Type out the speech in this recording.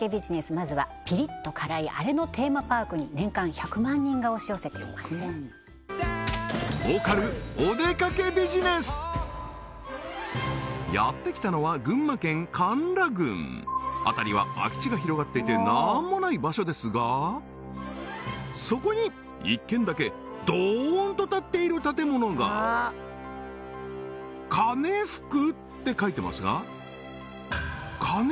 まずはピリッと辛いあれのテーマパークに年間１００万人が押し寄せていますやって来たのは群馬県甘楽郡辺りは空き地が広がっていて何もない場所ですがそこに１軒だけドーンと立っている建物が「かねふく」って書いてますがかね